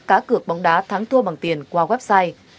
cá cược bóng đá thắng thua bằng tiền qua website